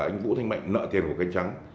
ngày hai mươi một tháng năm